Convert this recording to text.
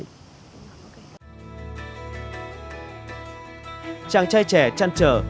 chàng trai trẻ chăn trở